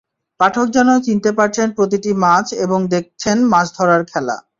পাঠক যেন চিনতে পারছেন প্রতিটি মাছ এবং দেখছেন মাছ ধরার খেলা।